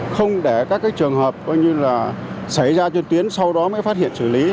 không để các trường hợp xảy ra trên tuyến sau đó mới phát hiện xử lý